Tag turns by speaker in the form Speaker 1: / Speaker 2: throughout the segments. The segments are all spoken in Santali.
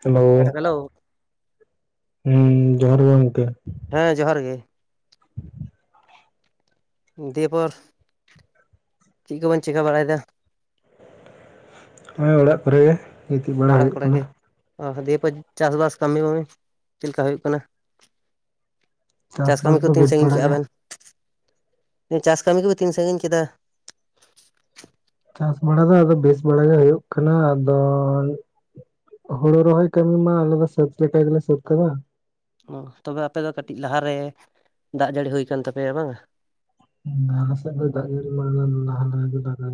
Speaker 1: ᱦᱮᱞᱳ
Speaker 2: ᱦᱮᱸ ᱦᱮᱞᱳ
Speaker 1: ᱦᱩᱸ ᱡᱚᱦᱟᱨ ᱜᱮ ᱜᱚᱝᱠᱮ᱾
Speaker 2: ᱦᱮᱸ ᱡᱚᱦᱟᱨ ᱜᱮ᱾ ᱫᱤᱭᱮ ᱯᱚᱨ, ᱪᱮᱫ ᱠᱚ ᱵᱚᱱ ᱪᱮᱠᱟᱹ ᱵᱟᱲᱟᱭᱮᱫᱟ?
Speaker 1: ᱦᱳᱭ ᱟᱲᱟᱜ ᱠᱚᱨᱮ ᱜᱮ᱾ ᱜᱤᱛᱤᱡ ᱵᱟᱲᱟ
Speaker 2: ᱚᱲᱟᱜ
Speaker 1: ᱦᱩᱭᱩᱜ
Speaker 2: ᱠᱚᱨᱮ
Speaker 1: ᱠᱟᱱᱟ
Speaker 2: ᱜᱮ, ᱫᱤᱭᱮ ᱯᱚᱨ ᱪᱟᱥᱵᱟᱥ ᱠᱟᱹᱢᱤ ᱦᱚᱸ ᱪᱮᱫ ᱞᱮᱠᱟ ᱦᱩᱭᱩᱜ ᱠᱟᱱᱟ? ᱪᱟᱥ ᱠᱟᱹᱢᱤ
Speaker 1: ᱪᱟᱥᱵᱟᱥ
Speaker 2: ᱠᱚ
Speaker 1: ᱫᱚ
Speaker 2: ᱛᱤᱱ
Speaker 1: ᱵᱮᱥ
Speaker 2: ᱥᱟᱺᱜᱤᱧ
Speaker 1: ᱵᱟᱲᱟ
Speaker 2: ᱠᱮᱫᱮᱜ-ᱟ
Speaker 1: ᱜᱮ
Speaker 2: ᱵᱮᱱ? [inaudible] ᱪᱟᱥ ᱠᱟᱹᱢᱤ ᱠᱚ ᱵᱮᱱ ᱛᱤᱱ ᱥᱟᱺᱜᱤᱧ ᱠᱮᱫᱟ?
Speaker 1: ᱪᱟᱥ ᱵᱟᱲᱟ ᱫᱚ ᱟᱫᱚ ᱵᱮᱥ ᱵᱟᱲᱟ ᱜᱮ ᱦᱩᱭᱩᱜ ᱠᱟᱱᱟ ᱾ ᱟᱫᱚ ᱦᱩᱲᱩ ᱨᱚᱦᱚᱭ ᱠᱟᱹᱢᱤ ᱢᱟ ᱟᱞᱮ ᱫᱚ ᱥᱟᱹᱛ ᱞᱮᱠᱟ ᱜᱮᱞᱮ ᱥᱟᱹᱛ ᱠᱟᱫᱟ᱾
Speaker 2: ᱚ ᱛᱚᱵᱮ ᱟᱯᱮ ᱫᱚ ᱠᱟᱹᱴᱤᱡ ᱞᱟᱦᱟᱨᱮ [inaudible] ᱫᱟᱜ ᱡᱟᱹᱲᱤ ᱦᱩᱭ ᱠᱟᱱᱟ ᱛᱟᱯᱮᱭᱟ ᱵᱟᱝ ᱟ?
Speaker 1: [unintelligible] ᱫᱚ ᱫᱟᱜ ᱡᱟᱹᱲᱤ ᱵᱟᱝ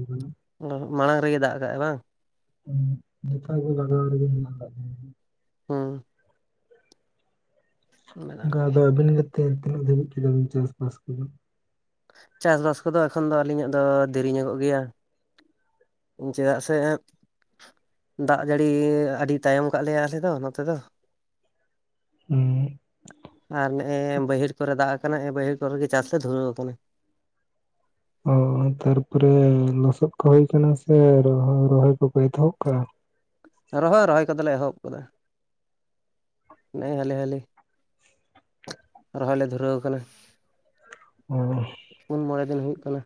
Speaker 1: ᱦᱩᱭ [unintelligible]
Speaker 2: ᱚ ᱢᱟᱲᱟᱝ ᱨᱮᱜᱮ ᱫᱟᱜ ᱟᱠᱟᱜᱟᱭ ᱵᱟᱝ?
Speaker 1: ᱦᱩᱸ ᱡᱚᱛᱚᱣᱟᱜ ᱜᱮ ᱵᱟᱜᱟᱣ ᱨᱮᱜᱮ ᱢᱮᱱᱟᱜ ᱠᱟᱜ ᱛᱟᱞᱤᱧᱟ ᱾
Speaker 2: ᱦᱮᱸ᱾ ᱢᱟᱲᱟᱝ ᱨᱮᱜᱮ
Speaker 1: ᱚᱱᱠᱟᱫᱚ ᱟᱹᱵᱤᱱ ᱜᱮ ᱛᱤᱱᱟᱹᱜ ᱫᱷᱟᱹᱵᱤᱡ ᱠᱮᱫᱟ ᱵᱤᱱ ᱪᱟᱥᱵᱟᱥ ᱠᱮᱫᱚ?
Speaker 2: ᱪᱟᱥᱵᱟᱥ ᱠᱚᱫᱚ ᱮᱠᱷᱚᱱ ᱫᱚ ᱟᱹᱞᱤᱧᱟᱜ ᱫᱚ ᱫᱮᱨᱤ ᱧᱚᱜᱚᱜ ᱜᱮᱭᱟ᱾ ᱪᱮᱫᱟᱜ ᱥᱮ [inaudible] ᱫᱟᱜ ᱡᱟᱹᱲᱤ ᱟᱹᱰᱤ ᱛᱟᱭᱚᱢ ᱠᱟᱜ ᱞᱮᱭᱟ ᱟᱞᱮ ᱫᱚ ᱱᱚᱛᱮ ᱫᱚ᱾
Speaker 1: ᱦᱩ ᱸ᱾
Speaker 2: ᱟᱨ ᱱᱮᱜ-ᱮ ᱵᱟᱹᱭᱦᱟᱹᱲ ᱠᱚᱨᱮ ᱫᱟᱜ ᱟᱠᱟᱱᱟ ᱱᱮᱜ-ᱮ ᱵᱟᱹᱭᱦᱟᱹᱲ ᱠᱚᱨᱮ ᱜᱮ ᱪᱟᱥ ᱞᱮ ᱫᱷᱩᱨᱟᱹᱣ ᱟᱠᱟᱱᱟ᱾
Speaker 1: ᱚ ᱛᱟᱨᱯᱚᱨᱮ ᱞᱚᱥᱚᱫ ᱠᱚ ᱦᱩᱭ ᱟᱠᱟᱱᱟ ᱥᱮ ᱨᱚᱦᱚᱭ ᱠᱚᱯᱮ ᱮᱛᱚᱦᱚᱵ ᱠᱟᱜ-ᱟ?
Speaker 2: ᱨᱚᱦᱚᱭ ᱨᱚᱦᱚᱭ ᱠᱟᱫᱚᱞᱮ ᱮᱦᱚᱵ ᱠᱟᱫᱟ ᱾ [inaudible] ᱱᱮᱜ-ᱮ ᱦᱟᱞᱮ ᱦᱟᱞᱮ ᱨᱚᱦᱚᱭ ᱞᱮ ᱫᱷᱩᱨᱟᱹᱣ ᱟᱠᱟᱱᱟ᱾
Speaker 1: ᱚ ᱾
Speaker 2: ᱯᱩᱱ ᱢᱚᱬᱮ ᱫᱤᱱ ᱦᱩᱭᱩᱜ ᱠᱟᱱᱟ᱾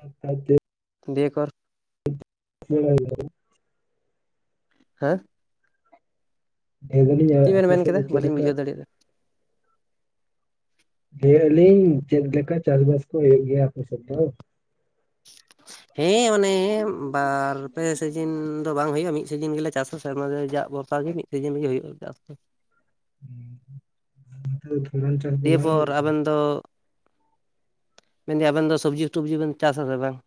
Speaker 1: ᱟᱨ ᱯᱟᱸᱪ ᱫᱤᱱ ᱾
Speaker 2: ᱫᱤᱭᱮ ᱯᱚᱨ
Speaker 1: [unintelligible]
Speaker 2: ᱦᱮᱸ?
Speaker 1: ᱞᱟᱹᱭ ᱮᱫᱟᱞᱤᱧ
Speaker 2: ᱪᱮᱫ ᱵᱮᱱ
Speaker 1: ᱟᱯᱮ
Speaker 2: ᱢᱮᱱ
Speaker 1: ᱥᱮᱫ
Speaker 2: ᱠᱮᱫᱟ
Speaker 1: ᱫᱚ ᱪᱮᱫ
Speaker 2: ᱵᱟᱹᱞᱤᱧ
Speaker 1: ᱞᱮᱠᱟ
Speaker 2: ᱵᱩᱡᱷᱟᱹᱣ ᱫᱟᱲᱮᱭᱟᱫᱟ
Speaker 1: ᱞᱟᱹᱭ ᱮᱫᱟᱞᱤᱧ ᱪᱮᱫ ᱞᱮᱠᱟ ᱪᱟᱥᱵᱟᱥ ᱠᱚ ᱦᱩᱭᱩᱜ ᱜᱮᱭᱟ ᱟᱯᱮ ᱥᱮᱫ ᱫᱚ?
Speaker 2: [inaudible] ᱦᱮᱸ ᱢᱟᱱᱮ ᱵᱟᱨᱯᱮ ᱥᱤᱡᱤᱱ ᱫᱚ ᱵᱟᱝ ᱦᱩᱭᱩᱜ-ᱟ᱾ ᱢᱤᱫ ᱥᱤᱡᱤᱱ ᱜᱮᱞᱮ ᱪᱟᱥᱟ ᱥᱮᱨᱢᱟ ᱨᱮᱱᱟᱜ ᱡᱟᱜ ᱵᱷᱚᱨᱥᱟ ᱜᱮ ᱢᱤᱫ ᱥᱤᱡᱤᱱ ᱜᱮ ᱦᱩᱭᱩᱜ-ᱟ ᱪᱟᱥ ᱫᱚ ᱾
Speaker 1: [unintelligible]
Speaker 2: ᱟᱫᱚ ᱢᱮᱱᱫᱟᱹᱧ ᱟᱵᱮᱱ ᱫᱚ ᱥᱚᱵᱽᱡᱤ ᱴᱚᱵᱡᱤ ᱵᱮᱱ ᱪᱟᱥᱟ ᱥᱮ ᱵᱟᱝ?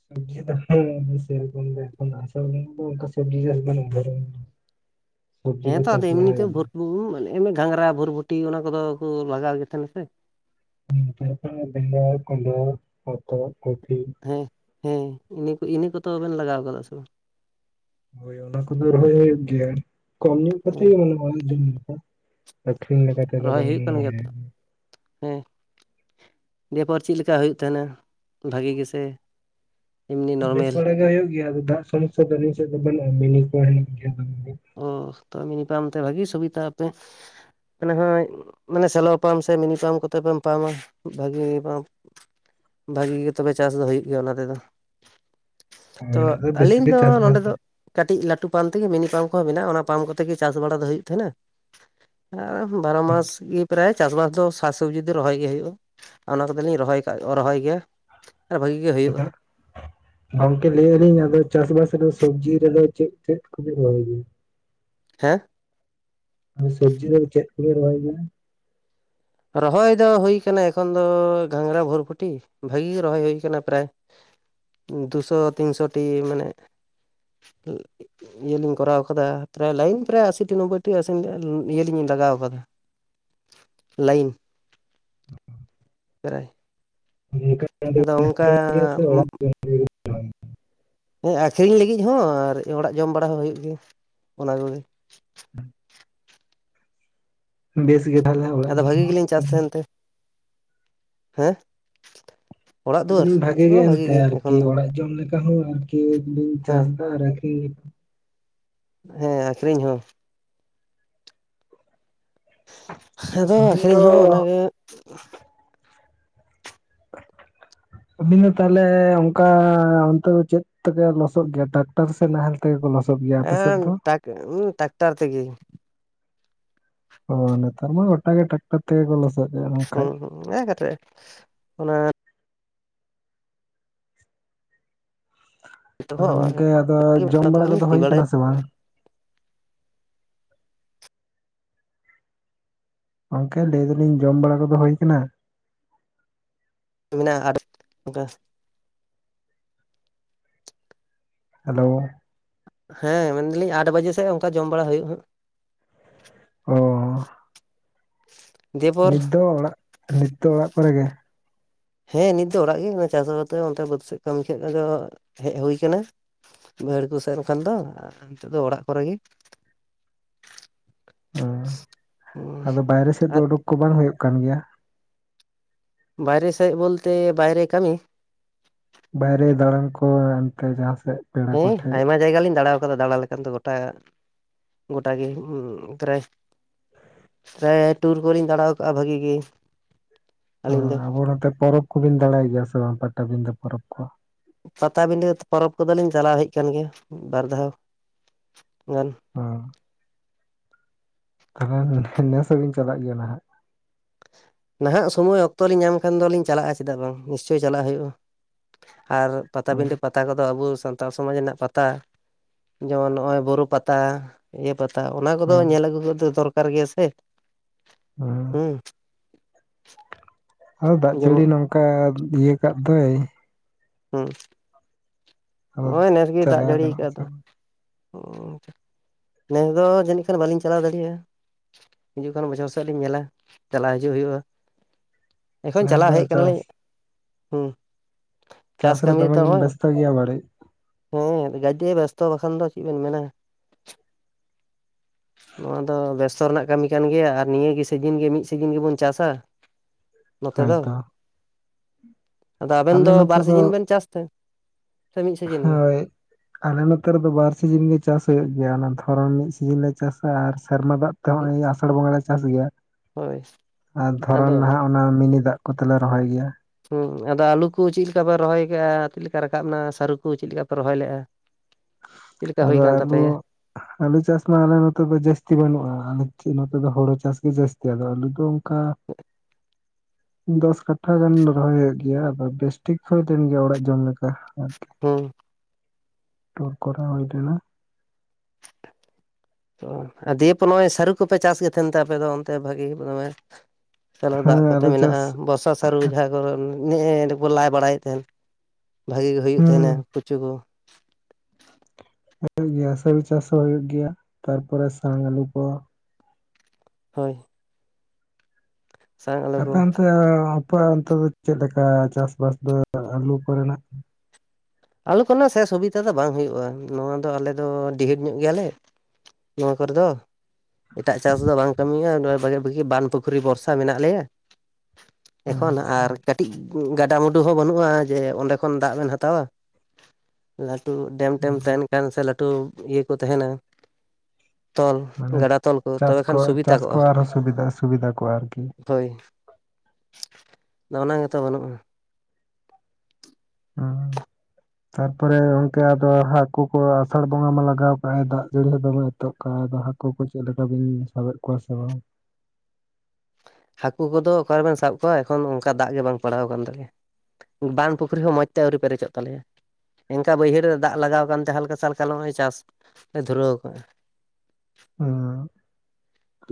Speaker 1: [unintelligible]
Speaker 2: [inaudible]
Speaker 1: ᱥᱚᱵᱽᱡᱤ ᱠᱚ
Speaker 2: ᱦᱮᱸᱛᱚ ᱟᱫᱚ
Speaker 1: ᱪᱟᱥ ᱵᱟᱲᱟ
Speaker 2: ᱮᱢᱱᱤᱛᱮ
Speaker 1: ᱦᱩᱭᱩᱜ ᱜᱮᱭᱟ
Speaker 2: [unintelligible] ᱜᱷᱟᱜᱸᱽᱨᱟ ᱵᱷᱩᱨᱵᱷᱩᱴᱤ ᱚᱱᱟ ᱠᱚᱫᱚ ᱠᱚ ᱞᱟᱜᱟᱣ ᱜᱮ ᱛᱟᱦᱮᱱᱟ ᱥᱮ᱾
Speaker 1: [unintelligible] ᱵᱮᱸᱜᱟᱲ ᱠᱚᱸᱰᱷᱟ ᱦᱚᱛᱚᱫ ᱠᱩᱯᱤ
Speaker 2: ᱦᱮᱸ ᱦᱮᱸ ᱤᱱᱟᱹ ᱠᱚ ᱤᱱᱟᱹ ᱠᱚᱛᱚᱵᱮᱱ ᱞᱟᱜᱟᱣ ᱟᱠᱟᱫᱟ ᱥᱮ ᱵᱟᱝ?
Speaker 1: ᱦᱳᱭ ᱚᱱᱟ ᱠᱚᱫᱚ ᱨᱚᱦᱚᱭ ᱦᱩᱭᱩᱜ ᱜᱮᱭᱟ ᱠᱚᱢ ᱧᱚᱜ
Speaker 2: ᱦᱳᱭ
Speaker 1: ᱠᱟᱹᱴᱤᱡ ᱢᱟᱱᱮ ᱚᱲᱟᱜ ᱡᱚᱢ ᱞᱮᱠᱟ᱾
Speaker 2: ᱨᱚᱦᱚᱭ ᱦᱩᱭᱩᱜ ᱠᱟᱱ ᱜᱮᱭᱟ ᱛᱚ? [inaudible] ᱦᱮᱸ ᱾ ᱫᱤᱭᱮ ᱯᱚᱨ ᱪᱤᱜ ᱞᱮᱠᱟ ᱦᱩᱭᱩᱜ ᱛᱟᱦᱮᱱᱟ [inaudible] ᱵᱷᱟᱜᱤ ᱜᱮᱥᱮ ᱮᱢᱱᱤ
Speaker 1: ᱵᱮᱥ
Speaker 2: ᱱᱚᱨᱢᱮᱞ
Speaker 1: ᱵᱟᱲᱟᱜ ᱜᱮ ᱦᱩᱭᱩᱜ ᱜᱮᱭᱟ, ᱟᱫᱚ ᱫᱟᱜ ᱥᱚᱢᱚᱥᱥᱟ ᱫᱚ ᱟᱞᱤᱧ ᱥᱮᱫ ᱫᱚ ᱵᱟᱹᱱᱩᱜ-ᱟ ᱢᱤᱱᱤ ᱠᱚ ᱦᱮᱱᱟᱜ ᱜᱮᱭᱟ ᱾
Speaker 2: ᱚ ᱛᱚ ᱢᱤᱱᱤ ᱯᱟᱢ ᱛᱮ ᱵᱷᱟᱜᱤ ᱥᱩᱵᱤᱛᱟ ᱟᱯᱮ ᱢᱚᱱᱮ ᱦᱚᱭ ᱢᱟᱱᱮ ᱥᱮᱞᱳ ᱯᱟᱢ ᱥᱮ ᱢᱤᱱᱤ ᱯᱟᱢ ᱠᱚᱛᱮ ᱯᱮ ᱯᱟᱢᱟ ᱵᱷᱟᱜᱤ ᱜᱮ ᱯᱟᱢᱯ ᱵᱷᱟᱜᱤ ᱜᱮ ᱛᱚᱵᱮ ᱪᱟᱥ ᱫᱚ ᱦᱩᱭᱩᱜ ᱜᱮᱭᱟ ᱚᱱᱟ ᱛᱮᱫᱚ ᱾ [inaudible] ᱛᱚ
Speaker 1: ᱚᱱᱟ ᱫᱚ ᱵᱮᱥᱤ
Speaker 2: ᱟᱹᱞᱤᱧ
Speaker 1: ᱜᱮ
Speaker 2: ᱫᱚ
Speaker 1: ᱪᱟᱥᱵᱟᱥ
Speaker 2: ᱱᱚᱸᱰᱮ ᱫᱚ ᱠᱟᱴᱤᱡ ᱞᱟᱴᱩ ᱯᱟᱢᱯ ᱛᱮᱜᱮ ᱢᱤᱱᱤ ᱯᱟᱢᱯ ᱠᱚᱦᱚᱸ ᱢᱮᱱᱟᱜ-ᱟ, ᱚᱱᱟ ᱯᱟᱢᱯ ᱠᱚᱛᱮ ᱜᱮ ᱪᱟᱥ ᱵᱟᱲᱟ ᱫᱚ ᱦᱩᱭᱩᱜ ᱛᱟᱦᱮᱱᱟ ᱾ ᱟᱨ ᱵᱟᱨᱚ ᱢᱟᱥ ᱜᱮ ᱯᱨᱟᱭ ᱪᱟᱥ ᱵᱟᱥ ᱫᱚ ᱥᱟᱠᱥᱚᱵᱽᱡᱤ ᱫᱚ ᱨᱚᱦᱚᱭ ᱜᱮ ᱦᱩᱭᱩᱜ-ᱟ ᱾ ᱚᱱᱟ ᱠᱚᱫᱚᱞᱤᱧ ᱨᱚᱦᱚᱭ ᱠᱟᱜ ᱨᱚᱦᱚᱭ ᱜᱮᱭᱟ [inaudible] ᱟᱨ ᱵᱷᱟᱹᱜᱤ
Speaker 1: ᱟᱫᱚ ᱜᱚᱝᱠᱮ ᱞᱮᱭᱮᱜᱼᱟ ᱞᱤᱧ ᱟᱫᱚ ᱪᱟᱥᱵᱟᱥ ᱨᱮᱫᱚ ᱥᱚᱵᱽᱡᱤ ᱨᱮᱫᱚ ᱪᱮᱫ ᱪᱮᱫ ᱠᱚ ᱵᱤᱱ ᱨᱚᱦᱚᱭ ᱜᱮᱭᱟ?
Speaker 2: ᱦᱮᱸ?
Speaker 1: ᱟᱨ ᱥᱚᱵᱡᱽᱤ ᱨᱮᱫᱚ ᱪᱮᱫ ᱠᱚᱵᱤᱱ ᱨᱚᱦᱚᱭ ᱜᱮᱭᱟ?
Speaker 2: ᱨᱚᱦᱚᱭ ᱫᱚ ᱦᱩᱭ ᱠᱟᱱᱟ ᱮᱠᱷᱚᱱ ᱫᱚ ᱜᱷᱟᱝᱜᱽᱨᱟ ᱵᱷᱚᱨᱵᱷᱚᱴᱤ ᱵᱷᱟᱹᱜᱤ ᱜᱮ ᱨᱚᱦᱚᱭ ᱦᱩᱭ ᱟᱠᱟᱱᱟ ᱯᱨᱟᱭ᱾ ᱫᱩᱥᱚ ᱛᱤᱱᱥᱚ ᱴᱤ ᱢᱟᱱᱮ ᱤᱭᱟᱹᱞᱤᱧ ᱠᱚᱨᱟᱣ ᱟᱠᱟᱫᱟ, ᱯᱨᱟᱭ ᱞᱟᱭᱤᱱ ᱯᱨᱟᱭ ᱟᱥᱤᱴᱤ ᱱᱚᱵᱽᱵᱚᱭᱴᱤ ᱟᱹᱥᱤᱱ ᱤᱭᱟᱹ ᱞᱤᱧ ᱞᱟᱜᱟᱣ ᱟᱠᱟᱫᱟ᱾ ᱞᱟᱭᱤᱱ ᱯᱨᱟᱭ᱾ ᱟᱫᱚ ᱚᱱᱠᱟ
Speaker 1: [inaudible]
Speaker 2: ᱦᱮᱸ ᱟᱠᱷᱨᱤᱧ ᱞᱟᱹᱜᱤᱡ ᱦᱚᱸ ᱟᱨ ᱚᱲᱟᱜ ᱡᱚᱢ ᱵᱟᱲᱟ ᱦᱚᱸ ᱦᱩᱭᱩᱜ ᱜᱮᱭᱟ, ᱚᱱᱟ ᱠᱚᱜᱮ᱾
Speaker 1: [inaudible] ᱵᱮᱥ ᱜᱮ ᱛᱟᱦᱞᱮ ᱚᱲᱟᱜ
Speaker 2: ᱟᱫᱚ
Speaker 1: ᱡᱚᱢ
Speaker 2: ᱵᱷᱟᱜᱤ
Speaker 1: ᱦᱚᱸ
Speaker 2: ᱜᱮᱞᱤᱧ ᱪᱟᱥ
Speaker 1: ᱟᱠᱷᱨᱤᱧ ᱦᱚᱸ᱾
Speaker 2: ᱛᱟᱦᱮᱱ ᱛᱮ ᱦᱮᱸ? ᱚᱲᱟᱜ
Speaker 1: ᱢᱮᱱᱫᱟ
Speaker 2: ᱫᱩᱣᱟᱹᱨ
Speaker 1: ᱞᱤᱧ ᱵᱷᱟᱜᱮ
Speaker 2: ᱫᱚ
Speaker 1: ᱜᱮ
Speaker 2: ᱵᱷᱟᱜᱤ
Speaker 1: ᱮᱱᱛᱮ
Speaker 2: ᱮᱠᱷᱚᱱ
Speaker 1: ᱟᱨᱠᱤ
Speaker 2: ᱫᱚ
Speaker 1: ᱚᱲᱟᱜ ᱡᱚᱢ ᱞᱮᱠᱟ ᱦᱚᱸ ᱟᱨᱠᱤ ᱵᱤᱱ
Speaker 2: ᱦᱮᱸ
Speaker 1: ᱪᱟᱥᱫᱟ ᱟᱨ ᱟᱠᱷᱨᱤᱧ
Speaker 2: ᱦᱮᱸ ᱟᱠᱷᱨᱤᱧ ᱦᱚᱸ᱾ ᱦᱮᱸᱫᱚ
Speaker 1: ᱞᱮᱠᱟ ᱟᱹᱵᱤᱱ
Speaker 2: ᱟᱠᱷᱨᱤᱧ
Speaker 1: ᱫᱚ
Speaker 2: ᱦᱚᱸ ᱚᱱᱟᱜᱮ᱾
Speaker 1: ᱟᱵᱤᱱ ᱫᱚ ᱛᱟᱦᱞᱮ ᱚᱝᱠᱟ ᱚᱱᱛᱮ ᱫᱚ ᱪᱮᱫ ᱛᱮᱯᱮ ᱞᱚᱥᱚᱫ ᱜᱮᱭᱟ, ᱴᱨᱟᱠ ᱴᱟᱨ ᱥᱮ ᱱᱟᱦᱮᱞ ᱛᱮᱜᱮ ᱠᱚ ᱞᱚᱥᱚᱫ ᱜᱮᱭᱟ ᱟᱯᱮ ᱥᱮᱫ ᱫᱚ?
Speaker 2: ᱠᱮᱜ ᱩᱸ ᱴᱟᱠᱴᱟᱨ ᱛᱮᱜᱮ᱾
Speaker 1: ᱚ ᱱᱮᱛᱟᱨ ᱢᱟ ᱜᱚᱴᱟ ᱜᱮ ᱴᱨᱟᱠᱴᱟᱨ ᱛᱮᱜᱮ ᱠᱚ ᱞᱚᱥᱚᱫ ᱮᱫᱟ ᱵᱟᱝ ᱠᱷᱟᱡ
Speaker 2: [unintelligible] ᱚᱱᱟ᱾
Speaker 1: ᱟᱫᱚ ᱜᱚᱝᱠᱮ ᱟᱫᱚ
Speaker 2: ᱢᱤᱫ
Speaker 1: ᱡᱚᱢ ᱵᱟᱲᱟ
Speaker 2: ᱛᱮᱜᱮᱞᱤᱧ
Speaker 1: ᱠᱚᱫᱚ
Speaker 2: ᱥᱤ
Speaker 1: ᱦᱳᱭ
Speaker 2: ᱵᱟᱲᱟᱭᱟ
Speaker 1: ᱟᱠᱟᱱᱟ ᱥᱮ ᱵᱟᱝ? ᱜᱚᱝᱠᱮ ᱞᱟᱹᱭ ᱮᱫᱟᱞᱤᱧ, ᱡᱚᱢ ᱵᱟᱲᱟ ᱦᱳᱭ ᱟᱠᱟᱱᱟ?
Speaker 2: ᱢᱮᱱᱟᱜᱼᱟ [inaudible]
Speaker 1: ᱦᱮᱞᱳ᱾
Speaker 2: ᱦᱮᱸ ᱢᱮᱱᱫᱟᱞᱤᱧ ᱟᱴ ᱵᱟᱡᱮ ᱥᱮᱫ ᱚᱱᱠᱟ ᱡᱚᱢ ᱵᱟᱲᱟ ᱦᱩᱭᱩᱜ-ᱟ ᱦᱟᱸᱜ᱾
Speaker 1: ᱚ᱾
Speaker 2: ᱫᱤᱭᱮᱯᱚᱨ
Speaker 1: ᱱᱤᱛ ᱫᱚ ᱚᱲᱟᱜ ᱱᱤᱛ ᱫᱚ ᱚᱲᱟᱜ ᱠᱚᱨᱮᱜ ᱜᱮ᱾
Speaker 2: ᱦᱮᱸ ᱱᱤᱛ ᱫᱚ ᱚᱲᱟᱜ ᱜᱮ ᱚᱱᱮ ᱪᱟᱥ [unintelligible] ᱚᱱᱛᱮ ᱵᱟᱹᱫᱽ ᱥᱮᱫ ᱠᱟᱢᱤ [unintelligible] ᱦᱮᱡ ᱦᱩᱭ ᱠᱟᱱᱟ᱾ [unintelligible] ᱫᱚ ᱟᱨ ᱱᱤᱛᱚᱜ ᱫᱚ ᱚᱲᱟᱜ ᱠᱚᱨᱮ ᱜᱮ᱾
Speaker 1: ᱚ
Speaker 2: ᱩᱸ
Speaker 1: ᱟᱫᱚ ᱵᱟᱭᱨᱮ ᱥᱮᱫ ᱫᱚ
Speaker 2: ᱟᱨ
Speaker 1: ᱳᱰᱳᱠ ᱠᱚ ᱵᱟᱝ ᱦᱳᱭᱳᱜ ᱠᱟᱱ ᱜᱮᱭᱟ?
Speaker 2: ᱵᱟᱭᱨᱮ ᱥᱮᱫ ᱵᱚᱞᱛᱮ ᱵᱟᱭᱨᱮ ᱠᱟᱢᱤ?
Speaker 1: ᱵᱟᱭᱨᱮ ᱫᱟᱬᱟᱱ ᱠᱚ ᱦᱟᱱᱛᱮ ᱡᱟᱦᱟᱸ ᱥᱮᱫ? ᱯᱮᱲᱟ
Speaker 2: ᱦᱮᱸ
Speaker 1: ᱠᱚᱴᱷᱮᱡ
Speaker 2: ᱟᱭᱢᱟ ᱡᱟᱭᱜᱟ ᱞᱤᱧ ᱫᱟᱬᱟᱣ ᱟᱠᱟᱫᱟ ᱫᱟᱬᱟ ᱞᱮᱠᱟᱱ ᱫᱚ ᱜᱚᱴᱟ, ᱜᱚᱴᱟ ᱜᱮ ᱩᱸ ᱯᱨᱟᱭ [inaudible] ᱴᱩᱨ ᱠᱚᱨᱤᱧ ᱫᱟᱬᱟᱣ ᱠᱟᱜᱼᱟ ᱵᱷᱟᱜᱤ ᱜᱮ᱾
Speaker 1: ᱚ
Speaker 2: ᱟᱹᱞᱤᱧ ᱫᱚ
Speaker 1: ᱟᱵᱚ ᱱᱚᱛᱮ ᱯᱚᱨᱚᱵᱽ ᱠᱚᱵᱤᱱ ᱫᱟᱬᱟᱭ ᱜᱮᱭᱟ ᱥᱮ ᱵᱟᱝ ᱯᱟᱴᱟᱵᱤᱸᱷᱟᱹ ᱯᱚᱨᱚᱵᱽ ᱠᱚ?
Speaker 2: ᱯᱟᱛᱟ ᱵᱤᱸᱰᱷᱟᱹ ᱯᱚᱨᱚᱵᱽ ᱠᱚᱫᱚᱞᱤᱧ ᱪᱟᱞᱟᱣ ᱦᱮᱡ ᱟᱠᱟᱱ ᱜᱮᱭᱟ ᱵᱟᱨ ᱫᱷᱟᱣ, ᱜᱟᱱ᱾
Speaker 1: ᱦᱚᱸ᱾ [unintelligible] ᱱᱮᱥ ᱦᱚᱸᱵᱤᱱ ᱪᱟᱞᱟᱜ ᱜᱮᱭᱟ ᱱᱟᱦᱟᱜ᱾
Speaker 2: ᱱᱟᱦᱟᱜ ᱥᱚᱢᱚᱭ ᱚᱠᱛᱚ ᱞᱤᱧ ᱧᱟᱢ ᱠᱷᱟᱱ ᱫᱚᱞᱤᱧ ᱪᱟᱞᱟᱜᱼᱟ ᱪᱮᱫᱟᱜ ᱵᱟᱝ ᱱᱤᱥᱪᱳᱭ ᱪᱟᱞᱟᱜ ᱦᱩᱭᱩᱜᱼᱟ᱾ ᱟᱨ ᱯᱟᱛᱟᱵᱤᱰᱟᱹ
Speaker 1: ᱚ
Speaker 2: ᱯᱟᱛᱟ ᱠᱚᱫᱚ ᱟᱵᱚ ᱥᱟᱱᱛᱟᱲ ᱥᱚᱢᱟᱡᱽ ᱨᱮᱱᱟᱜ ᱯᱟᱛᱟ ᱡᱮᱢᱚᱱ ᱱᱚᱜᱼᱚᱭ ᱵᱩᱨᱩ ᱯᱟᱛᱟ᱾ ᱤᱭᱟᱹ ᱯᱟᱛᱟ ᱚᱱᱟ ᱠᱚᱫᱚ ᱧᱮᱞ ᱟᱹᱜᱩ ᱠᱚᱫᱚ ᱫᱚᱨᱠᱟᱨ ᱜᱮᱭᱟ ᱥᱮ᱾
Speaker 1: ᱦᱩᱸ᱾
Speaker 2: ᱦᱩᱸ᱾
Speaker 1: ᱟᱫᱚ ᱫᱟᱜ ᱡᱟᱹᱲᱤ
Speaker 2: ᱡᱮᱢᱚᱱ
Speaker 1: ᱱᱚᱝᱠᱟ ᱤᱭᱟᱹ ᱠᱟᱫ ᱫᱚᱭ
Speaker 2: ᱦᱮᱸ
Speaker 1: ᱟᱫᱚ
Speaker 2: ᱱᱚᱜᱚᱭ ᱱᱮᱥᱜᱮ ᱫᱟᱜ
Speaker 1: ᱪᱟᱞᱟᱣ
Speaker 2: ᱡᱟᱹᱲᱤᱭ
Speaker 1: ᱜᱟᱱᱚᱜᱼᱟ ᱥᱮ
Speaker 2: ᱠᱟᱣᱫᱟ
Speaker 1: ᱵᱟᱝ
Speaker 2: ᱚ ᱪᱟ ᱱᱮᱥ ᱫᱚ ᱡᱟᱹᱱᱤᱡ ᱠᱷᱟᱱ ᱵᱟᱹᱞᱤᱧ ᱪᱟᱞᱟᱣ ᱫᱟᱲᱮᱭᱟᱜ-ᱟ᱾ ᱦᱤᱡᱩᱜ ᱠᱷᱟᱱ ᱵᱚᱪᱷᱚᱨ ᱥᱮᱫ ᱞᱤᱧ ᱧᱮᱞᱟ ᱪᱟᱞᱟᱣ ᱦᱤᱡᱩᱜ ᱦᱩᱭᱩᱜ-ᱟ ᱮᱠᱷᱚᱱ
Speaker 1: ᱱᱮᱥ
Speaker 2: ᱪᱟᱞᱟᱣ
Speaker 1: ᱫᱚ
Speaker 2: ᱦᱮᱡ
Speaker 1: ᱪᱟᱥ
Speaker 2: ᱠᱟᱱᱟᱞᱤᱧ ᱦᱩᱸ ᱪᱟᱥ
Speaker 1: ᱨᱮ
Speaker 2: ᱠᱟᱹᱢᱤ
Speaker 1: ᱫᱚᱢᱮ
Speaker 2: ᱛᱚ
Speaker 1: ᱵᱤᱱ
Speaker 2: ᱦᱚᱜᱚᱭ
Speaker 1: ᱵᱮᱥᱛᱚ ᱜᱮᱭᱟ ᱵᱟᱹᱲᱤᱡ
Speaker 2: ᱦᱮᱸ ᱜᱟᱡᱫᱮ ᱵᱮᱥᱛᱚ ᱵᱟᱠᱷᱟᱱ ᱫᱚ ᱪᱮᱫ ᱵᱮᱱ ᱢᱮᱱᱟ ᱱᱚᱣᱟ ᱫᱚ ᱵᱮᱥᱛᱚ ᱨᱮᱱᱟᱜ ᱠᱟᱹᱢᱤ ᱠᱟᱱ ᱜᱮᱭᱟ ᱟᱨ ᱱᱤᱭᱟᱹᱜᱮ ᱥᱤᱡᱤᱱ ᱜᱮ ᱢᱤᱫ ᱥᱤᱡᱤᱱ ᱜᱮᱵᱚᱱ ᱪᱟᱥᱟ ᱱᱚᱛᱮ ᱫᱚ
Speaker 1: ᱦᱳᱭᱛᱚ
Speaker 2: ᱟᱫᱚ ᱟᱵᱮᱱ
Speaker 1: ᱟᱞᱮ
Speaker 2: ᱫᱚ
Speaker 1: ᱱᱚᱛᱮ
Speaker 2: ᱵᱟᱨ ᱥᱤᱡᱤᱱ ᱵᱮᱱ ᱪᱟᱥ ᱛᱮ? ᱥᱮ ᱢᱤᱫ ᱥᱤᱡᱤᱱ ᱜᱮ
Speaker 1: ᱦᱳᱭ ᱟᱞᱮ ᱱᱚᱛᱮ ᱨᱮᱫᱚ ᱵᱟᱨ ᱥᱤᱡᱤᱱ ᱜᱮ ᱪᱟᱥ ᱦᱩᱭᱩᱜ ᱜᱮᱭᱟ ᱚᱱᱟ ᱫᱷᱚᱨᱚᱱ ᱢᱤᱫ ᱥᱤᱡᱤᱱ ᱞᱮ ᱪᱟᱥᱟ ᱟᱨ ᱥᱮᱨᱢᱟ ᱫᱟᱜ ᱛᱮ ᱱᱚᱜᱚᱭ ᱟᱥᱟᱲ ᱵᱚᱸᱜᱟ ᱞᱮ ᱪᱟᱥ ᱜᱮᱭᱟ
Speaker 2: ᱦᱳᱭ
Speaker 1: ᱟᱨ ᱫᱷᱚᱨᱚᱱ
Speaker 2: ᱟᱫᱚ
Speaker 1: ᱱᱟᱦᱟᱜ ᱚᱱᱟ ᱢᱤᱱᱤ ᱫᱟᱜ ᱠᱚᱛᱮᱞᱮ ᱨᱚᱦᱚᱭ ᱜᱮᱭᱟ
Speaker 2: ᱦᱩᱸ ᱟᱫᱚ ᱟᱞᱩ ᱠᱚ ᱪᱮᱫ ᱞᱮᱠᱟ ᱯᱮ ᱨᱚᱦᱚᱭ ᱟᱠᱟᱜ-ᱟ ᱪᱮᱫ ᱞᱮᱠᱟ ᱨᱟᱠᱟᱵ ᱮᱱᱟ ᱥᱟᱹᱨᱩ ᱠᱚ ᱪᱮᱫ ᱞᱮᱠᱟ ᱯᱮ ᱨᱚᱦᱚᱭ ᱞᱮᱜ-ᱟ? [unintelligible]
Speaker 1: ᱟᱫᱚ ᱟᱞᱩ ᱟᱞᱩ ᱪᱟᱥᱢᱟ ᱟᱞᱮ ᱫᱚ ᱡᱟᱹᱥᱛᱤ ᱵᱟᱹᱱᱩᱜ-ᱟ ᱟᱞᱮ ᱫᱚ ᱦᱳᱲᱳ ᱪᱟᱥᱜᱮ ᱡᱟᱹᱥᱛᱤ ᱟᱫᱚ ᱟᱞᱩ ᱫᱚ ᱠᱟ ᱫᱚᱥ ᱠᱟᱴᱷᱟ ᱜᱟᱱ ᱨᱚᱦᱚᱭ ᱦᱩᱭᱩᱜ ᱜᱮᱭᱟ ᱟᱫᱚ ᱵᱮᱥᱴᱷᱤᱠ ᱦᱚᱸ ᱛᱟᱦᱮᱱ ᱜᱮᱭᱟ ᱚᱲᱟᱜ ᱡᱚᱢ ᱞᱮᱠᱟ ᱜᱚᱝᱠᱮ
Speaker 2: ᱦᱩᱸ
Speaker 1: ᱴᱩᱨ ᱠᱚ ᱦᱩᱭᱞᱱᱟ
Speaker 2: ᱛᱚ ᱟᱨ ᱫᱤᱭᱮ ᱯᱚᱨ ᱱᱚᱜᱚᱭ ᱥᱟᱹᱨᱩ ᱠᱚᱯᱮ ᱪᱟᱥ ᱜᱮ ᱛᱟᱦᱮᱱ ᱛᱮ ᱟᱯᱮ ᱫᱚ ᱚᱱᱛᱮ ᱵᱷᱟᱹᱜᱤ ᱫᱚᱢᱮ ᱥᱮᱞᱚ
Speaker 1: ᱦᱮᱸ
Speaker 2: ᱫᱟᱜ ᱠᱚᱛᱮ
Speaker 1: ᱟᱹᱞᱩ ᱪᱟᱥ
Speaker 2: ᱢᱮᱱᱟᱜ-ᱟ ᱵᱚᱨᱥᱟ ᱥᱩᱨᱩ ᱡᱟᱦᱟ ᱚᱨ ᱱᱮᱜ ᱨᱮᱯᱚ ᱞᱟ ᱵᱟᱲᱟᱭᱮᱜ ᱛᱟᱦᱮᱱ ᱵᱷᱟᱜᱤ ᱜᱮ ᱦᱩᱭᱩᱜ
Speaker 1: ᱦᱩᱸ
Speaker 2: ᱛᱟᱦᱮᱱᱟ ᱯᱩᱪᱩ ᱠᱚ
Speaker 1: ᱦᱩᱭᱩᱜ ᱜᱮᱭᱟ ᱥᱟᱨᱩ ᱪᱟᱥ ᱦᱚᱸ ᱦᱩᱭᱩᱜ ᱜᱮᱭᱟ ᱛᱟᱨᱯᱚᱨᱮ ᱥᱟᱝ ᱟᱞᱩ ᱠᱚ
Speaker 2: ᱦᱳᱭ ᱥᱟᱝ ᱟᱞᱩ ᱠᱚ
Speaker 1: ᱟᱯᱮ ᱚᱱᱛᱮ ᱟᱯᱮ ᱚᱱᱛᱮ ᱫᱚ ᱪᱮᱫᱞᱮᱠᱟ ᱪᱟᱥᱵᱟᱥ ᱫᱚ ᱟᱞᱩ ᱠᱚᱨᱮᱱᱟᱜ?
Speaker 2: ᱟᱞᱮ ᱠᱚᱨᱮᱱᱟᱜ ᱥᱮ ᱥᱩᱵᱤᱫᱟ ᱫᱚ ᱵᱟᱝ ᱦᱩᱭᱩᱜ-ᱟ ᱱᱚᱣᱟ ᱫᱚ ᱟᱞᱮ ᱫᱚ ᱰᱷᱤᱦᱟᱹᱛ ᱧᱚᱜ ᱜᱮᱭᱟᱞᱮ ᱱᱚᱣᱟ ᱠᱚᱨᱮ ᱫᱚ ᱮᱴᱟᱜ ᱪᱟᱥ ᱫᱚ ᱵᱟᱝ ᱠᱟᱹᱢᱤᱭᱟ [unintelligible] ᱵᱟᱱ ᱯᱩᱠᱷᱨᱤ ᱵᱷᱚᱨᱥᱟ ᱢᱮᱱᱟᱜ ᱞᱮᱭᱟ ᱮᱠᱷᱚᱱ
Speaker 1: ᱟᱪᱪᱷᱟ
Speaker 2: ᱟᱨ ᱠᱟᱹᱴᱤᱡ ᱜᱟᱰᱟ ᱢᱩᱰᱩ ᱦᱚᱸ ᱵᱟᱹᱱᱩᱜ-ᱟ ᱡᱮ ᱚᱸᱰᱮ ᱠᱷᱚᱱ ᱫᱟᱜ ᱵᱮᱱ ᱦᱟᱛᱟᱣᱟ ᱞᱟᱹᱴᱩ ᱰᱮᱢ ᱴᱮᱢ
Speaker 1: ᱦᱩᱸ,
Speaker 2: ᱛᱟᱦᱮᱱ ᱠᱷᱟᱱ ᱥᱮ ᱞᱟᱹᱴᱩ ᱤᱭᱟᱹ ᱠᱚ ᱛᱟᱦᱮᱱᱟ ᱛᱚᱞ
Speaker 1: ᱢᱟᱱᱮ
Speaker 2: ᱜᱟᱰᱟ ᱛᱚᱞ ᱠᱚ
Speaker 1: ᱪᱟᱥ
Speaker 2: ᱛᱚᱵᱮ ᱠᱷᱟᱱ ᱥᱩᱵᱤᱛᱟ
Speaker 1: ᱪᱟᱥ ᱠᱚ
Speaker 2: ᱠᱚᱜ-ᱟ
Speaker 1: ᱟᱨᱦᱚᱸ ᱥᱩᱵᱤᱫᱷᱟ ᱥᱩᱵᱤᱫᱷᱟ ᱠᱚ ᱟᱨᱠᱤ
Speaker 2: ᱦᱳᱭ ᱚᱱᱟ ᱜᱮᱛᱚ ᱵᱟᱹᱱᱩᱜ-ᱟ
Speaker 1: ᱦᱩᱸ ᱛᱟᱨᱯᱚᱨᱮ ᱚᱱᱛᱮ ᱟᱫᱚ ᱦᱟᱹᱠᱩ ᱠᱚ ᱟᱥᱟᱲ ᱵᱚᱸᱜᱟ ᱢᱟ ᱞᱟᱜᱟᱣ ᱠᱟᱜ ᱫᱟᱜ ᱡᱟᱹᱲᱤ ᱫᱚᱢᱮ ᱛᱚᱠᱟ ᱫᱚ ᱦᱟᱠᱩ ᱠᱚ ᱪᱮᱫ ᱞᱮᱠᱟ ᱵᱤᱱ ᱥᱟᱵᱮᱫ ᱠᱚᱣᱟ ᱥᱮ ᱵᱟᱝ?
Speaker 2: ᱦᱟᱹᱠᱩ ᱠᱚᱫᱚ ᱚᱠᱟ ᱨᱮᱵᱮᱱ ᱥᱟᱵ ᱠᱚᱣᱟ ᱚᱱᱠᱟ ᱫᱟᱜ ᱵᱟᱝ ᱯᱟᱲᱟᱣ ᱟᱠᱟᱱ ᱛᱟᱞᱮᱭᱟ ᱵᱟᱱ ᱯᱩᱠᱷᱨᱤ ᱦᱚᱸ ᱢᱚᱡᱽ ᱛᱮ ᱟᱹᱣᱨᱤ ᱯᱮᱨᱮᱡᱚᱜ ᱛᱟᱞᱮᱭᱟ ᱮᱱᱠᱟ ᱵᱟᱹᱭᱦᱟᱹᱲ ᱨᱮ ᱫᱟᱜ ᱞᱟᱜᱟᱣ ᱠᱟᱱᱛᱮ ᱦᱟᱞᱠᱟ ᱥᱟᱞᱠᱟ ᱱᱚᱜᱚᱭ ᱪᱟᱥ ᱞᱮ ᱫᱷᱩᱨᱟᱹᱣ ᱠᱟᱜ-ᱟ
Speaker 1: ᱦᱩᱸ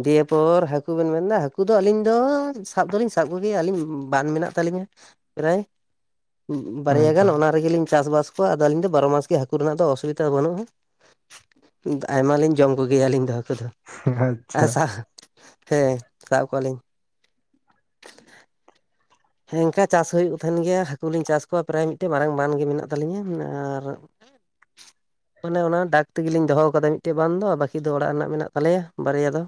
Speaker 2: ᱫᱤᱭᱮ ᱯᱚᱨ ᱦᱟᱹᱠᱩ ᱵᱮᱱ ᱢᱮᱱᱫᱟ ᱦᱟᱹᱠᱩ ᱫᱚ ᱟᱹᱞᱤᱧ ᱫᱚ ᱥᱟᱵ ᱫᱚᱞᱤᱧ ᱥᱟᱵ ᱠᱚᱜᱮᱭᱟ ᱟᱹᱞᱤᱧ ᱵᱟᱱ ᱢᱮᱱᱟᱜ ᱛᱟᱹᱞᱤᱧᱟ ᱨᱮ ᱵᱟᱨᱭᱟ ᱜᱟᱱ
Speaker 1: ᱮᱠᱫᱚᱢ
Speaker 2: ᱚᱱᱟ ᱨᱮᱜᱮᱞᱤᱧ ᱪᱟᱥᱵᱟᱥ ᱠᱚᱣᱟ ᱟᱫᱚ ᱟᱹᱞᱤᱧ ᱫᱚ ᱵᱟᱨᱚ ᱢᱟᱥ ᱜᱮ ᱦᱟᱹᱠᱩ ᱨᱮᱱᱟᱜ ᱫᱚ ᱚᱥᱩᱵᱤᱫᱟ ᱵᱟᱹᱱᱩᱜ-ᱟ ᱟᱭᱢᱟᱞᱤᱧ ᱡᱚᱢ ᱠᱚᱜᱮᱭᱟ ᱟᱹᱞᱤᱧ ᱫᱚ ᱦᱟᱹᱠᱩ ᱫᱚ
Speaker 1: [unintelligible]
Speaker 2: ᱟᱥᱟ ᱛᱮ ᱥᱟᱵᱠᱚᱣᱟ ᱞᱤᱧ ᱦᱮᱸ ᱚᱝᱠᱟ ᱪᱟᱥ ᱦᱩᱭᱩᱜ ᱠᱟᱱ ᱛᱟᱦᱮᱱ ᱜᱮᱭᱟ ᱦᱟᱹᱠᱩ ᱞᱤᱧ ᱪᱟᱥ ᱠᱚᱣᱟ ᱯᱨᱟᱭ ᱢᱤᱫᱴᱮᱱ ᱢᱟᱨᱟᱝ ᱵᱟᱱ ᱜᱮ ᱢᱮᱱᱟᱜ ᱛᱟᱹᱞᱤᱧᱟ ᱟᱨᱼᱼ [inaudible] ᱟᱱᱮ ᱚᱱᱟ ᱰᱟᱠ ᱛᱮᱜᱮᱞᱤᱧ ᱫᱚᱦᱚ ᱠᱟᱫᱟ ᱢᱤᱫᱴᱮᱱ ᱜᱟᱱ ᱫᱚ ᱵᱟᱠᱤ ᱫᱚ ᱚᱲᱟᱜ ᱨᱮᱱᱟᱜ ᱢᱮᱱᱟᱜ ᱛᱟᱞᱮᱭᱟ ᱵᱟᱨᱭᱟ ᱫᱚ᱾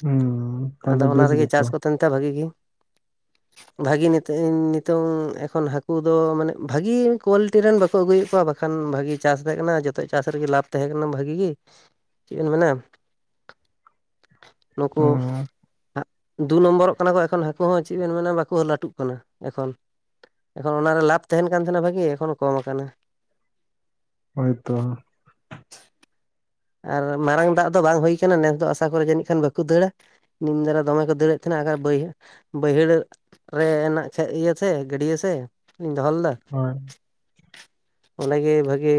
Speaker 1: ᱦᱩᱸ
Speaker 2: ᱟᱫᱚ
Speaker 1: ᱛᱟᱦᱚᱞᱮ
Speaker 2: ᱚᱱᱟ
Speaker 1: ᱵᱮᱥ
Speaker 2: ᱨᱮᱜᱮ
Speaker 1: ᱜᱮᱛᱚ
Speaker 2: ᱪᱟᱥ ᱠᱚᱛᱮ [unintelligible] ᱵᱷᱟᱜᱤ ᱜᱮ᱾ ᱵᱷᱟᱜᱤ [unintelligible] ᱱᱤᱛᱚᱝ ᱮᱠᱷᱚᱱ ᱦᱟᱠᱩ ᱫᱚ ᱢᱟᱱᱮ ᱵᱷᱟᱜᱤ ᱠᱳᱣᱟᱞᱤᱴᱤ ᱨᱮᱱ ᱵᱟᱠᱚ ᱟᱹᱜᱩᱭᱮᱜ ᱠᱚᱣᱟ᱾ ᱠᱷᱟᱱ ᱵᱷᱟᱜᱤ ᱪᱟᱥ ᱛᱟᱦᱮᱸ ᱠᱟᱱᱟ ᱡᱚᱛᱚ ᱪᱟᱥ ᱨᱮᱜᱮ ᱞᱟᱵᱷ ᱛᱟᱦᱮᱸ ᱠᱟᱱᱟ ᱵᱷᱟᱜᱤ ᱜᱮ᱾ ᱪᱮᱫ ᱮᱢ ᱢᱮᱱᱟ ᱱᱩᱠᱩᱼᱼ
Speaker 1: ᱦᱩᱸ
Speaker 2: ᱫᱩ ᱱᱚᱢᱵᱚᱨᱚᱜ ᱠᱟᱱᱟ ᱠᱚ ᱮᱠᱷᱚᱱ ᱦᱟᱹᱠᱩ ᱦᱚᱸ ᱪᱮᱫ ᱵᱮᱱ ᱢᱮᱱᱟ ᱵᱟᱠᱚ ᱦᱚᱸ ᱞᱟᱹᱴᱩᱜ ᱠᱟᱱᱟ ᱮᱠᱷᱚᱱ᱾ ᱮᱠᱷᱚᱱ ᱚᱱᱟᱨᱮ ᱞᱟᱵᱷ ᱛᱟᱦᱮᱱ ᱠᱟᱱ ᱛᱟᱦᱮᱸᱱᱟ ᱵᱷᱟᱜᱤ ᱮᱠᱷᱚᱱ ᱠᱚᱢ ᱟᱠᱟᱱᱟ᱾
Speaker 1: ᱦᱳᱭ ᱛᱚ᱾
Speaker 2: ᱟᱨ ᱢᱟᱨᱟᱝ ᱫᱟᱜ ᱫᱚ ᱵᱟᱝ ᱦᱩᱭ ᱠᱟᱱᱟ ᱱᱮᱥ ᱫᱚ ᱟᱥᱟ ᱠᱚᱨᱮ ᱡᱟᱹᱱᱤᱡ ᱠᱷᱟᱱ ᱵᱟᱠᱚ ᱫᱟᱹᱲᱟ᱾ ᱵᱩᱱᱱᱟᱹ ᱨᱮ ᱫᱚᱢᱮ ᱠᱚ ᱫᱟᱹᱲᱮᱫ ᱛᱟᱦᱮᱱᱟ ᱟᱨ ᱵᱟᱹᱭ ᱵᱟᱹᱭᱦᱟᱹᱲᱼᱼ ᱨᱮ ᱨᱮᱱᱟᱜ ᱤᱭᱟᱹ ᱥᱮ ᱜᱟᱹᱰᱭᱟᱹ ᱥᱮ ᱞᱤᱧ ᱫᱚᱦᱚ ᱞᱮᱫᱟ᱾
Speaker 1: ᱦᱳᱭ᱾
Speaker 2: ᱚᱱᱟᱜᱮ ᱵᱷᱟᱜᱮ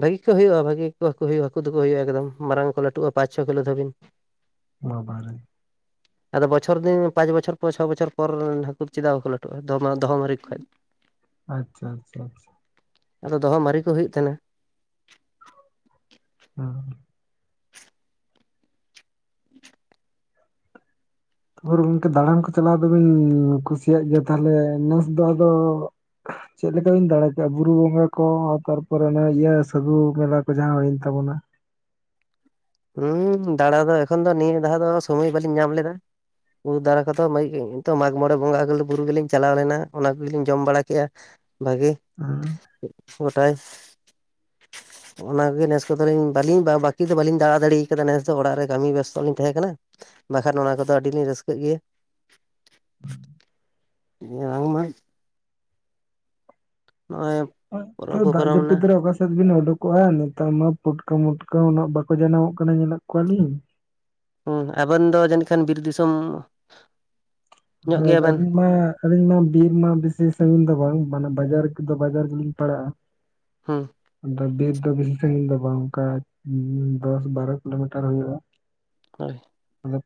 Speaker 2: ᱵᱷᱟᱜᱤ ᱠᱚ ᱦᱩᱭᱩᱜᱼᱟ ᱵᱷᱟᱜᱤ ᱜᱮᱠᱚᱼᱼ ᱦᱩᱭᱩᱜ-ᱟ ᱦᱟᱹᱠᱩ ᱫᱚᱠᱚ ᱦᱩᱭᱩᱜᱼᱟ ᱮᱠᱫᱚᱢ ᱢᱟᱨᱟᱝ ᱠᱚ ᱞᱟᱹᱴᱩᱜᱼᱟ ᱯᱟᱸᱪ-ᱪᱷᱚ ᱠᱤᱞᱳ ᱫᱷᱟᱹᱵᱤᱱ᱾
Speaker 1: ᱵᱟᱵᱟ ᱨᱮ!
Speaker 2: [inaudible] ᱟᱫᱚ ᱵᱚᱪᱷᱚᱨ ᱫᱤᱱ ᱯᱟᱸᱪ ᱵᱚᱪᱷᱚᱨ ᱯᱚᱨ ᱪᱷᱚ ᱵᱚᱪᱚᱨ ᱨᱮᱱ ᱦᱟᱹᱠᱩ ᱫᱚ ᱪᱮᱫᱟᱜ ᱵᱟᱠᱚ ᱞᱟᱹᱴᱩᱜᱼᱟ ᱫᱚᱦᱚ ᱢᱟᱹᱨᱤ ᱠᱚ ᱠᱷᱚᱡ᱾ [inaudible]
Speaker 1: ᱟᱪᱪᱷᱟ ᱟᱪᱪᱷᱟ ᱟᱪᱪᱷᱟ᱾
Speaker 2: ᱟᱫᱚ ᱫᱚᱦᱚ ᱢᱟᱨᱮ ᱠᱚ ᱦᱩᱭᱩᱜ ᱛᱟᱦᱮᱱᱟ᱾ [unintelligible]
Speaker 1: ᱚ᱾ ᱛᱟᱯᱚᱢᱨᱚ ᱜᱚᱝᱠᱮ ᱫᱟᱬᱟᱱ ᱠᱚ ᱪᱟᱞᱟᱣ ᱫᱚᱵᱧ ᱠᱩᱥᱤᱭᱟᱜ ᱜᱮᱭᱟ ᱛᱟᱦᱚᱞᱮ ᱱᱮᱥ ᱫᱚ ᱟᱫᱚᱼᱼ
Speaker 2: [unintelligible]
Speaker 1: ᱪᱮᱫ ᱞᱮᱠᱟ ᱵᱤᱱ ᱫᱟᱲᱮᱠᱮᱜᱼᱟ ᱵᱩᱨᱩ ᱵᱚᱸᱜᱟ ᱠᱚ ᱛᱟᱨᱯᱚᱨᱮ ᱚᱱᱮ ᱤᱭᱟᱹ ᱥᱟᱹᱜᱩ ᱢᱮᱞᱟ ᱠᱚ ᱡᱟᱦᱟᱸ ᱦᱩᱭᱮᱱ ᱛᱟᱵᱚᱱᱟ᱾
Speaker 2: ᱦᱩᱸ ᱫᱟᱬᱟ ᱫᱚ ᱮᱠᱷᱚᱱ ᱫᱚ ᱱᱤᱭᱟᱹ ᱫᱷᱟᱣ ᱫᱚ ᱥᱚᱢᱚᱭ ᱵᱟᱞᱤᱧ ᱧᱟᱢ ᱞᱮᱫᱟ᱾ ᱩᱸ ᱫᱟᱨᱮ ᱠᱚᱫᱚ [unintelligible] ᱢᱟᱜᱽ ᱢᱚᱬᱮ ᱵᱚᱸᱜᱟ ᱵᱩᱨᱩ ᱜᱮᱞᱤᱧ ᱪᱟᱞᱟᱣ ᱞᱮᱱᱟ ᱚᱱᱟ ᱠᱚᱜᱮᱞᱤᱧ ᱡᱚᱢ ᱵᱟᱲᱟ ᱠᱮᱫᱮᱜᱼᱟ᱾ ᱵᱷᱟᱜᱮᱼᱼ
Speaker 1: [unintelligible]
Speaker 2: ᱜᱚᱴᱟᱭ ᱚᱱᱟᱜᱮ ᱱᱮᱥ ᱠᱚᱫᱚᱧ ᱵᱟᱹᱞᱤᱧ ᱵᱟᱹᱠᱤ ᱫᱚ ᱵᱟᱹᱞᱤᱧᱼᱼ ᱛᱟᱲᱟᱛᱟᱲᱤ ᱠᱟᱫᱟ ᱱᱮᱥ ᱫᱚ ᱚᱲᱟᱜ ᱨᱮ ᱠᱟᱹᱢᱤ ᱵᱮᱥᱛᱚᱜ ᱞᱤᱧ ᱛᱟᱦᱮᱸ ᱠᱟᱱᱟ ᱵᱟᱠᱷᱟᱱ ᱚᱱᱟ ᱠᱚᱫᱚ ᱟᱹᱰᱤᱞᱤᱧ ᱨᱟᱹᱥᱠᱟᱹᱜ ᱜᱮᱭᱟ᱾ ᱵᱟᱝᱢᱟ ᱱᱚᱜᱼᱚᱭᱼᱼ
Speaker 1: ᱫᱟᱜ ᱡᱟᱯᱩᱛ ᱨᱮ ᱚᱠᱟ ᱥᱮᱛ ᱵᱤᱱ ᱚᱰᱩᱠᱼᱼ ᱠᱚᱜᱼᱟ ᱱᱮᱛᱟᱨ ᱢᱟ ᱯᱩᱴᱠᱟᱹᱢᱩᱴᱠᱟᱹ ᱦᱚᱸ ᱩᱱᱟᱹᱜ ᱵᱟᱠᱚ ᱡᱟᱱᱟᱢᱚᱜ ᱠᱟᱱᱟ ᱧᱮᱞᱮᱫ ᱠᱚᱣᱟᱞᱤᱧ᱾
Speaker 2: ᱦᱩᱸ ᱟᱵᱮᱱ ᱫᱚ ᱡᱟᱹᱱᱤᱡ ᱠᱷᱟᱱ ᱵᱤᱨ ᱫᱤᱥᱚᱢᱼᱼ
Speaker 1: [unintelligible] ᱟᱞᱤᱧ ᱢᱟᱼᱼ ᱟᱹᱞᱤᱧ ᱢᱟ ᱵᱤᱨ ᱢᱟ ᱵᱮᱥᱤ ᱥᱟᱺᱜᱤᱧ ᱫᱚ ᱵᱟᱝ ᱢᱟᱱᱮ ᱵᱟᱡᱟᱨ ᱫᱚ ᱵᱟᱡᱟᱨ ᱜᱮᱞᱤᱧ ᱯᱟᱲᱟᱜᱼᱟ᱾
Speaker 2: ᱦᱩᱸ᱾
Speaker 1: ᱟᱫᱚ ᱵᱤᱨ ᱫᱚ ᱵᱮᱥᱤ ᱥᱟᱹᱜᱤᱧ ᱫᱚ ᱵᱟᱝ ᱚᱱᱠᱟ ᱫᱚᱥ ᱵᱟᱨᱚ ᱠᱤᱞᱳᱢᱤᱴᱟᱨ ᱦᱩᱭᱩᱜᱼᱟ᱾
Speaker 2: ᱦᱳᱭ᱾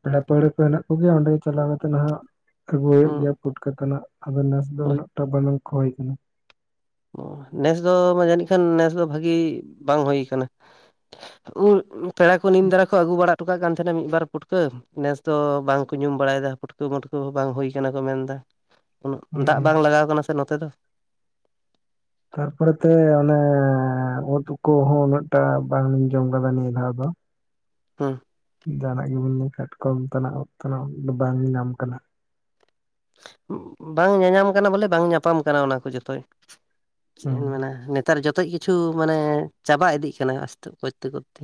Speaker 1: ᱯᱮᱲᱟ ᱯᱟᱹᱲᱦᱟᱹ ᱠᱚ ᱦᱮᱱᱟᱜ ᱠᱚᱜᱮᱭᱟ ᱚᱰᱮ ᱪᱟᱞᱟᱣ ᱠᱟᱛᱮᱜ ᱦᱟᱸᱜᱼᱼ ᱟᱹᱜᱩᱭ ᱦᱩᱭᱩᱜ
Speaker 2: ᱦᱩᱸ
Speaker 1: ᱜᱮᱭᱟ ᱯᱩᱴᱠᱟᱹ ᱛᱟᱱᱟᱜ ᱟᱫᱚ ᱱᱮᱥ ᱫᱚ
Speaker 2: ᱦᱳᱭ
Speaker 1: ᱩᱱᱟᱹᱜ ᱴᱟ ᱵᱟᱝ ᱞᱚᱠᱷᱚ ᱦᱩᱭ ᱠᱟᱱᱟ᱾
Speaker 2: ᱱᱮᱥ ᱫᱚ ᱡᱟᱹᱱᱤᱡ ᱠᱷᱟᱱ ᱱᱮᱥ ᱫᱚ ᱵᱷᱟᱹᱜᱤ ᱵᱟᱝ ᱦᱩᱭ ᱠᱟᱱᱟ᱾ ᱩᱞ ᱯᱮᱲᱟ ᱠᱚ ᱱᱤᱢ ᱫᱟᱨᱟ ᱠᱚ ᱟᱹᱜᱩ ᱵᱟᱲᱟ ᱦᱚᱴᱚ ᱠᱟᱜ ᱠᱟᱱ ᱛᱟᱦᱮᱱᱟ ᱢᱤᱫᱵᱟᱨ ᱯᱩᱴᱠᱟᱹ ᱱᱮᱥ ᱫᱚ ᱵᱟᱝᱠᱚ ᱧᱩᱢ ᱵᱟᱲᱟᱭᱮᱫᱟ ᱯᱩᱴᱠᱟᱹ ᱢᱟᱹᱴᱠᱟᱹ ᱵᱟᱝ ᱦᱩᱭ ᱠᱟᱱᱟ ᱠᱚ ᱢᱮᱱᱫᱟ᱾ ᱩᱱᱟᱹᱜ ᱫᱟᱜ
Speaker 1: ᱦᱩᱸ
Speaker 2: ᱵᱟᱝ ᱞᱟᱜᱟᱣ ᱠᱟᱱᱟ ᱥᱮ ᱱᱚᱛᱮ ᱫᱚ᱾
Speaker 1: ᱛᱟᱨᱯᱚᱨᱮᱛᱮ ᱚᱱᱮ ᱩᱫ ᱠᱩᱦᱚᱸ ᱢᱤᱫ ᱴᱮᱱ ᱵᱟᱝ ᱡᱚᱢ ᱨᱮᱵᱮ ᱵᱷᱟᱵ ᱟ᱾
Speaker 2: ᱦᱩᱸ
Speaker 1: ᱡᱟᱦᱟ ᱱᱟᱜ ᱜᱮᱵᱮᱱ ᱞᱟᱹᱭ ᱠᱟᱴᱠᱚᱢ ᱛᱮᱱᱟᱜ ᱩᱜ ᱛᱟᱱᱟᱜ ᱵᱟᱝ ᱧᱟᱢ ᱠᱟᱱᱟ᱾
Speaker 2: ᱵᱟᱝ ᱧᱟᱧᱟᱢ ᱠᱟᱱᱟ ᱵᱚᱞᱮ ᱵᱟᱝ ᱧᱟᱯᱟᱢ ᱠᱟᱱᱟ ᱚᱱᱟ ᱠᱚ ᱡᱚᱛᱚᱭ᱾ ᱪᱮᱫ
Speaker 1: ᱦᱩᱸ
Speaker 2: ᱢᱮᱱᱟ ᱱᱮᱛᱟᱨ ᱡᱚᱛᱚ ᱠᱤᱪᱷᱩ ᱢᱟᱱᱮ ᱪᱟᱵᱟ ᱤᱫᱤᱜ ᱠᱟᱱᱟ ᱟᱥᱛᱮ ᱠᱚᱨᱛᱮ ᱠᱚᱨᱛᱮ᱾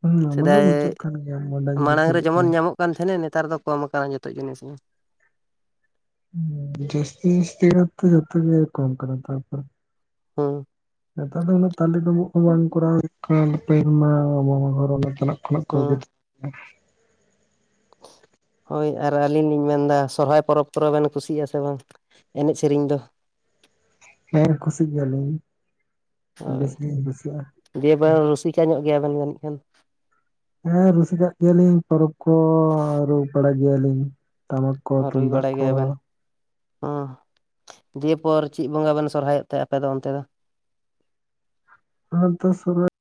Speaker 1: ᱦᱩᱸ ᱚᱱᱟ ᱫᱚ
Speaker 2: ᱥᱮᱫᱟᱭ
Speaker 1: ᱵᱩᱡᱷᱟᱹᱜ ᱠᱟᱱ ᱜᱮᱭᱟ ᱵᱟᱰᱟᱭ ᱤᱧ
Speaker 2: ᱢᱟᱲᱟᱝ ᱨᱮ
Speaker 1: ᱵᱩᱡᱷᱟᱹᱜ
Speaker 2: ᱡᱮᱢᱚᱱ
Speaker 1: ᱠᱟᱱᱟ
Speaker 2: ᱧᱟᱢᱚᱜ ᱠᱟᱱᱟᱜ ᱠᱟᱱ ᱛᱟᱦᱮᱱᱟ ᱱᱮᱛᱟᱨ ᱫᱚ ᱠᱚᱢ ᱟᱠᱟᱱᱟ ᱡᱚᱛᱚ ᱡᱤᱱᱤᱥ ᱜᱮ᱾
Speaker 1: ᱡᱟᱹᱥᱛᱤ [unintelligible] ᱡᱚᱛᱚ ᱜᱮ ᱠᱚᱢᱠᱟᱱᱟ ᱱᱮᱛᱟᱨ ᱫᱚ᱾
Speaker 2: ᱦᱩᱸ
Speaker 1: ᱱᱮᱛᱟᱨ ᱫᱤᱱ ᱫᱚ ᱛᱟᱞᱮ ᱰᱩᱵᱩᱜ
Speaker 2: ᱦᱩᱸ
Speaker 1: [unintelligible] [unintelligible]
Speaker 2: ᱦᱳᱭ ᱟᱨ ᱟᱹᱞᱤᱧ ᱞᱤᱧ ᱢᱮᱱᱫᱟ ᱥᱚᱨᱦᱟᱭ ᱯᱚᱨᱚᱵᱽ ᱠᱚᱨᱮ ᱵᱮᱱ ᱠᱩᱥᱤᱭᱜ-ᱟ ᱥᱮ ᱵᱟᱝ? ᱮᱱᱮᱡ ᱥᱮᱨᱮᱧ ᱫᱚ᱾
Speaker 1: ᱦᱮᱸ ᱠᱷᱩᱥᱤ ᱜᱮᱭᱟᱞᱤᱧ᱾ ᱵᱮᱥ
Speaker 2: ᱦᱳᱭ
Speaker 1: ᱜᱤᱧ ᱠᱩᱥᱤᱭᱟᱜᱼᱟ
Speaker 2: ᱫᱤᱭᱮ ᱵᱮᱱ ᱨᱩᱥᱤᱠᱟ ᱧᱚᱜ ᱜᱮᱭᱟᱵᱮᱱ ᱡᱟᱹᱱᱤᱡ ᱠᱷᱟᱱ?
Speaker 1: ᱦᱮᱸ ᱨᱩᱥᱤᱠᱟᱜ ᱜᱮᱭᱟᱞᱤᱧ ᱯᱚᱨᱚᱵᱽ ᱠᱚ ᱨᱩ ᱵᱟᱲᱟ ᱜᱮᱭᱟᱞᱤᱧ᱾ ᱴᱟᱢᱟᱠ ᱠᱚ ᱛᱩᱢᱫᱟᱜ ᱠᱚ᱾
Speaker 2: ᱚ ᱫᱤᱭᱮ ᱯᱚᱨ ᱪᱮᱫ ᱵᱚᱸᱜᱟ ᱵᱮᱱ ᱥᱚᱨᱦᱟᱭᱚᱜ ᱛᱮ ᱟᱯᱮᱫᱚ ᱚᱱᱛᱮ ᱫᱚ?
Speaker 1: ᱩᱱ ᱚᱠᱛᱚ ᱥᱚᱨᱟ